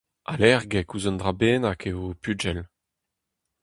Allergek ouzh un dra bennak eo ho pugel.